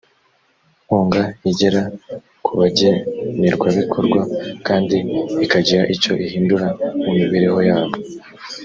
nkunga igera ku bagenerwabikorwa kandi ikagira icyo ihindura mu mibereho yabo